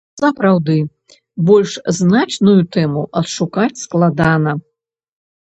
Сапраўды, больш значную тэму адшукаць складана.